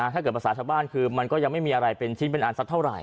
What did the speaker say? ถ้าเกิดภาษาชาวบ้านคือมันก็ยังไม่มีอะไรเป็นชิ้นเป็นอันสักเท่าไห